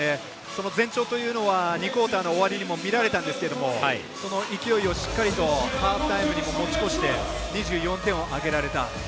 その前兆というのは２クオーターの終わりにも見られたんですが、その勢いをしっかりと、ハーフタイムにも持ち越して２４点を挙げられた。